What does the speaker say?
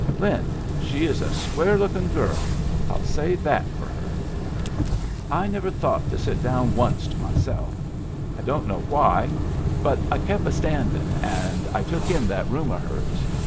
"Lin, she is a square lookin' girl. I'll say that for her. "I never thought to sit down onced myself; I don't know why, but I kep' a standing, and I took in that room of hers.